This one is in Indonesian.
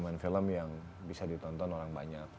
main film yang bisa ditonton orang banyak